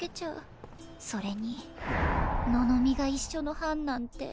それにののみがいっしょの班なんて。